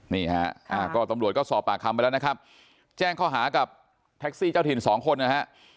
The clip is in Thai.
นี่ฮะก็ตำรวจก็สอบปากคำไปแล้วนะครับแจ้งข้อหากับแท็กซี่เจ้าถิ่นสองคนนะฮะ